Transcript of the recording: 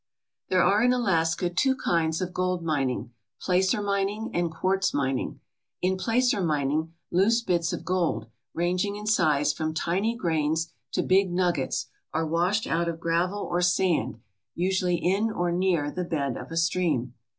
There are in Alaska two kinds of gold mining placer mining and quartz mining. In placer mining loose bits of gold, ranging in size from tiny grains to big nuggets, are washed out of gravel or sand, usually in or near the bed of a stream.